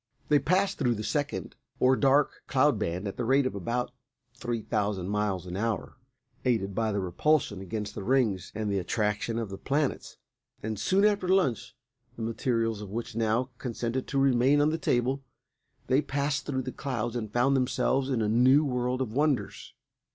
They passed through the second, or dark, cloud band at the rate of about three thousand miles an hour, aided by the repulsion against the Rings and the attraction of the planets, and soon after lunch, the materials of which now consented to remain on the table, they passed through the clouds and found themselves in a new world of wonders.